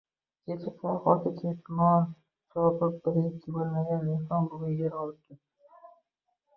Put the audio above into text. Kecha kolxozda ketmon chopib, biri ikki bo’lmagan dehqon bugun yer olib